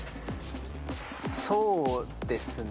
そうですね。